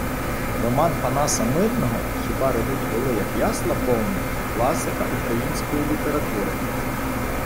Роман Панаса Мирного "Хіба ревуть воли, як ясла повні" - класика української літератури